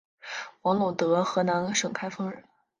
王陇德河南省开封市人。